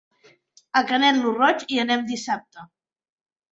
A Canet lo Roig hi anem dissabte.